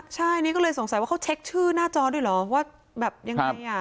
ใช่นี่ก็เลยสงสัยว่าเขาเช็คชื่อหน้าจอด้วยเหรอว่าแบบยังไงอ่ะ